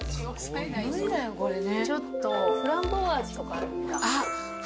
ちょっとフランボワーズとかある。